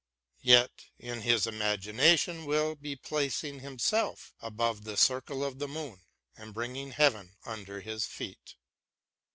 . yet in his imagination will be placing himself above the circle of the moon, and bringing heaven under his feet..